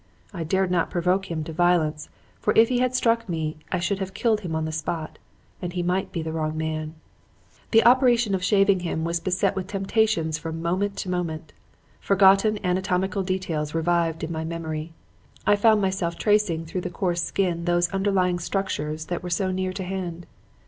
I dared not provoke him to violence, for if he had struck me I should have killed him on the spot. And he might be the wrong man. "The operation of shaving him was beset with temptations from moment to moment. Forgotten anatomical details revived in my memory. I found myself tracing through the coarse skin those underlying structures that were so near to hand.